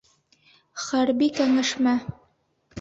ХӘРБИ КӘҢӘШМӘ